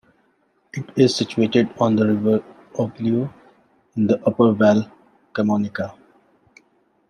It is situated on the river Oglio, in the upper Val Camonica.